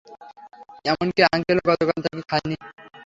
এমনকি আঙ্কেলও গতকাল থেকে খায়নি।